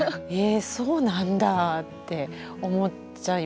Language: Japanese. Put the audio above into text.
そうなんだって思っちゃいました。